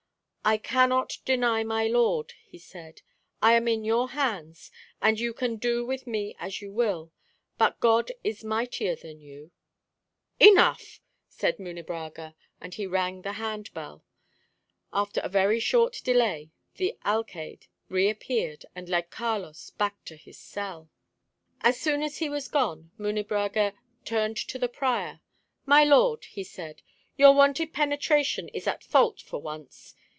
"I cannot deny my Lord," he said. "I am in your hands, and you can do with me as you will. But God is mightier than you." "Enough!" said Munebrãga, and he rang the hand bell. After a very short delay, the alcayde reappeared, and led Carlos back to his cell. As soon as he was gone, Munebrãga turned to the prior. "My lord," he said, "your wonted penetration is at fault for once.